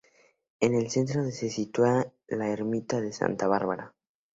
En el centro se sitúa la ermita de Santa Bárbara.